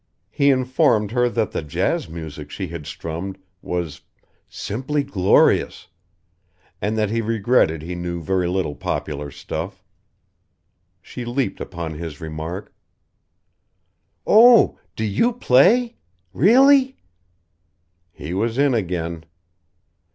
He informed her that the jazz music she had strummed was simply "glorious" and that he regretted he knew very little popular stuff. She leaped upon his remark "Oh! do you play: really?" He was in again.